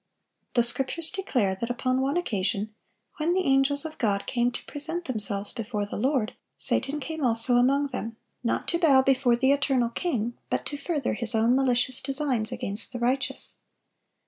The Scriptures declare that upon one occasion, when the angels of God came to present themselves before the Lord, Satan came also among them,(914) not to bow before the Eternal King, but to further his own malicious designs against the righteous.